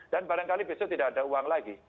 dan barangkali besok tidak ada uang lagi